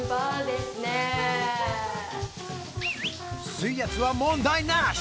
水圧は問題なし！